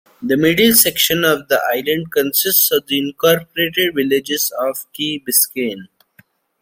The middle section of the island consists of the incorporated Village of Key Biscayne.